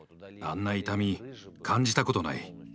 あんな痛み感じたことない。